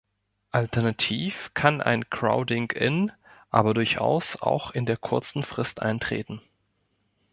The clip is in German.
Alternativ kann ein Crowding-in aber durchaus auch in der kurzen Frist eintreten.